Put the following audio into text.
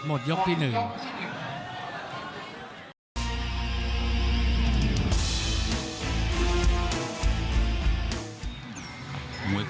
หมดยกที่หนึ่ง